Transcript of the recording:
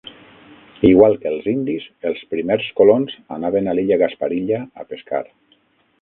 Igual que els indis, els primers colons anaven a l'illa Gasparilla a pescar.